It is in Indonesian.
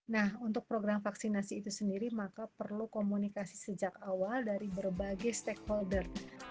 nah untuk program vaksinasi itu sendiri maka perlu komunikasi sejak awal dari berbagai stakeholder